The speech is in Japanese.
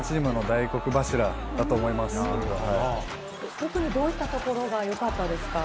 特にどういったところがよかったですか。